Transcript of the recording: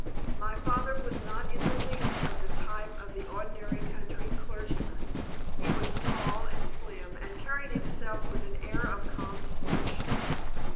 My father was not in the least of the type of the ordinary country clergyman. He was tall and slim, and carried himself with an air of calm distinction.